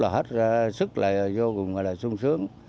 hết sức là vô cùng là sung sướng